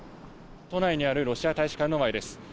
都内にあるロシア大使館の前です。